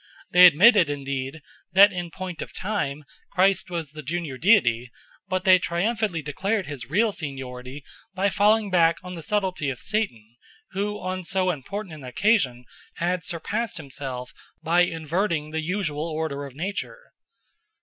They admitted, indeed, that in point of time Christ was the junior deity, but they triumphantly demonstrated his real seniority by falling back on the subtlety of Satan, who on so important an occasion had surpassed himself by inverting the usual order of nature.